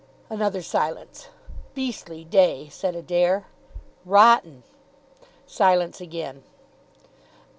Another silence. "Beastly day," said Adair. "Rotten." Silence again.